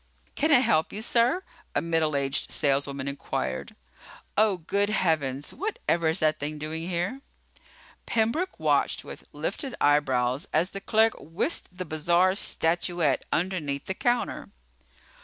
"Can I help you, sir?" a middle aged saleswoman inquired. "Oh, good heavens, whatever is that thing doing here?" Pembroke watched with lifted eyebrows as the clerk whisked the bizarre statuette underneath the counter.